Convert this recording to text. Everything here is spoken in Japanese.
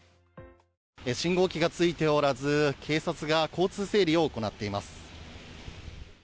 信号機がついておらず警察が交通整理を行っています。